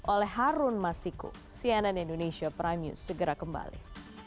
oleh harun masiku cnn indonesia prime news segera kembali